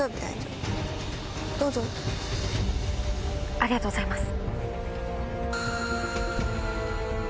ありがとうございます。